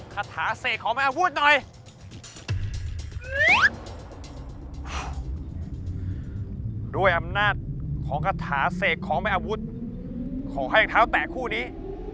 ขอให้อย่างเท้าแต่คู่นี้